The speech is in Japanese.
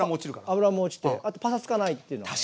脂も落ちてあとパサつかないっていうのがね。